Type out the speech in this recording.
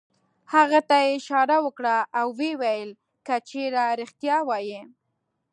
هغه ته یې اشاره وکړه او ویې ویل: که چېرې رېښتیا وایې.